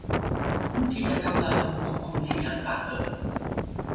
omiki takavalro okokoni apa’e